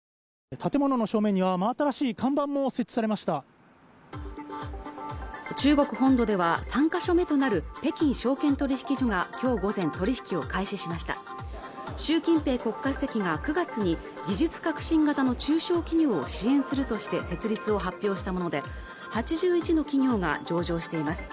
建物の正面には真新しい看板も設置されました中国本土では３か所目となる北京証券取引所がきょう午前取引を開始しました習近平国家主席が９月に技術革新型の中小企業を支援するとして設立を発表したもので８１の企業が上場しています